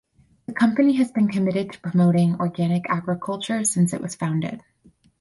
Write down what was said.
The company has been committed to promoting organic agriculture since it was founded.